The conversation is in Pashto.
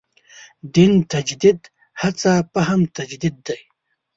دین تجدید هڅه فهم تجدید دی.